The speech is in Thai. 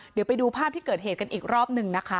เดี๋ยวไปดูภาพที่เกิดเหตุกันอีกรอบหนึ่งนะคะ